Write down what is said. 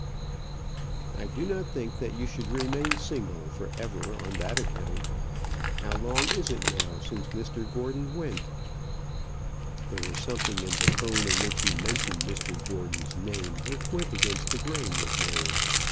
"I do not think that you should remain single for ever on that account. How long is it now since Mr Gordon went?" There was something in the tone in which he mentioned Mr Gordon's name which went against the grain with Mary.